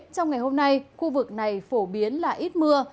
trong ngày hôm nay khu vực này phổ biến là ít mưa